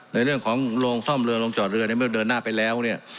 ในเรื่องของโรงซ่อมเรือโรงจอดเรือในเมื่อเดินหน้าไปแล้วเนี่ย